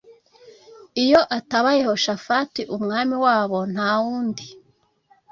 iyo ataba yehoshafati umwami wabo ntawundi.